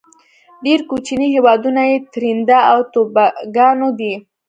ډیر کوچینی هیوادونه یې تريندا او توباګو دی.